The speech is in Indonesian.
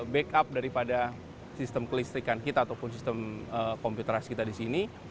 backup daripada sistem kelistrikan kita ataupun sistem komputerasi kita di sini